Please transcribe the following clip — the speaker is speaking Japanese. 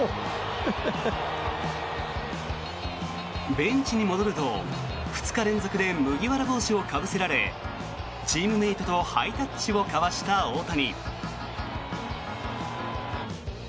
ベンチに戻ると２日連続で麦わら帽子をかぶせられチームメートとハイタッチを交わした大谷。